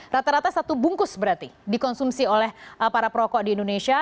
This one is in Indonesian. rata rata satu bungkus berarti dikonsumsi oleh para perokok di indonesia